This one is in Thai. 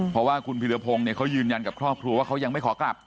เพราะว่าคุณพิรพงศ์เขายืนยันกับครอบครัวว่าเขายังไม่ขอกลับ